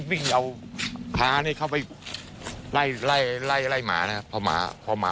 วิ่งเอาภาพาเข้าไปไล่หมานะครับ